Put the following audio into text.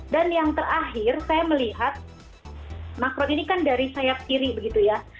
dan yang terakhir saya melihat macron ini kan dari sayap kiri begitu ya